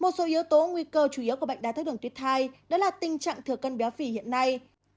một số yếu tố nguy cơ chủ yếu của bệnh đái thức đường tuyết thai đó là tình trạng thừa cân béo phì hiện nay